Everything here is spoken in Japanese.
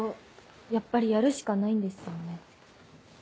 やっぱりやるしかないんですよね？